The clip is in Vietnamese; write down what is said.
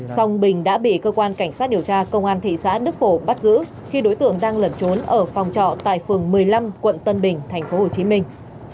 xong bình đã bị cơ quan cảnh sát điều tra công an thị xã đức phổ bắt giữ khi đối tượng đang lẩn trốn ở phòng trọ tại phường một mươi năm quận tân bình thành phố hồ chí minh